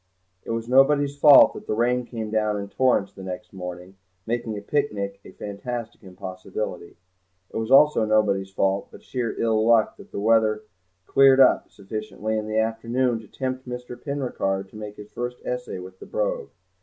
It was nobody's fault that the rain came down in torrents the next morning, making a picnic a fantastic impossibility. It was also nobody's fault, but sheer ill luck, that the weather cleared up sufficiently in the afternoon to tempt Mr. Penricarde to make his first essay with the Brogue.